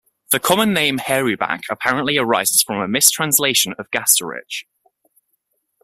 The common name "hairyback" apparently arises from a mistranslation of "gastrotrich".